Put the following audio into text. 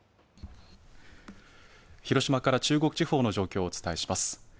広島から中国地方の状況をお伝えします。